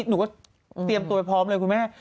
หนูก็เตรียมตัวไปพร้อมเลยคุณแม่